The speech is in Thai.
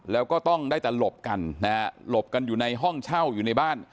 แล้วก็ต้องได้แต่หลบกันนะฮะหลบกันอยู่ในห้องเช่าอยู่ในบ้าน